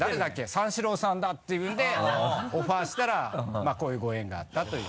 「三四郎さんだ」ていうのでオファーしたらこういうご縁があったという。